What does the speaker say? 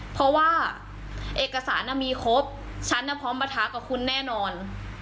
เพราะว่าเอกสารมีครบฉันพร้อมประทะกับคุณแน่นอน